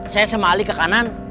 saya sama ali ke kanan